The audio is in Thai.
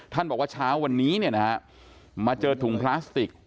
บอกว่าเช้าวันนี้เนี่ยนะฮะมาเจอถุงพลาสติก